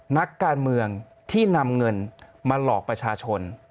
นักการเมืองที่นำเงินมาหลอกประชาชน